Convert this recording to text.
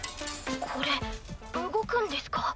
これ動くんですか？